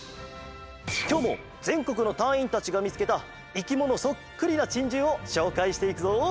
きょうもぜんこくのたいいんたちがみつけたいきものそっくりなチンジューをしょうかいしていくぞ！